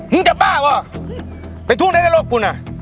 มึงจะบ้าว่ะไปทุ่งได้ในโลกกูน่ะ